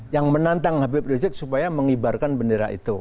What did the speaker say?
yang menantang hpbdz supaya mengibarkan bendera itu